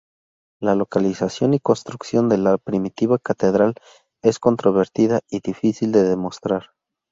La localización y construcción de la primitiva catedral es controvertida y difícil de demostrar.